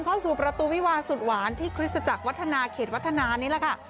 เข้าสู่ประตูวิวาสุดหวานที่คริสตจักรวัฒนาเขตวัฒนานี่แหละค่ะ